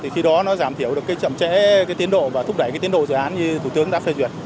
khi đó nó giảm thiểu được cái chậm trễ tiến độ và thúc đẩy tiến độ dự án như thủ tướng đã phê duyệt